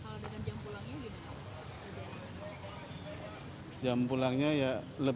hal dengan jam pulang ini gimana